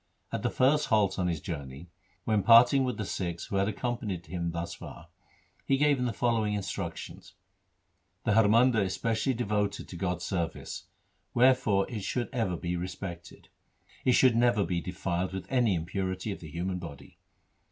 At the first halt on his journey, when parting with the Sikhs who had accompanied him thus far, he gave them the following injunctions :—' The Har Mandar is specially devoted to God's service, wherefore it should ever be respected. It should never be defiled with any impurity of the human body.